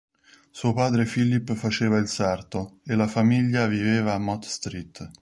Suo padre Philip faceva il sarto e la famiglia viveva a Mott Street.